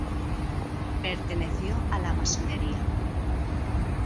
Perteneció a la masonería.